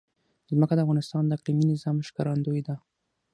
ځمکه د افغانستان د اقلیمي نظام ښکارندوی ده.